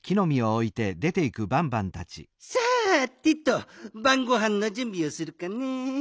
さてとばんごはんのじゅんびをするかね。